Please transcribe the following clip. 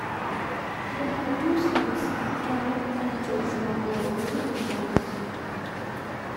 They have two sons, Caleb and Joshua, who are also footballers.